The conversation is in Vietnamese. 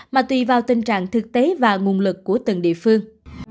mà tùy vào tình trạng thực tế và nguồn lực của từng địa phương